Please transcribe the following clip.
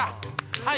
はい。